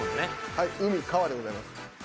はい海川でございます。